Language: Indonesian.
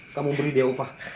kamu beri dia upah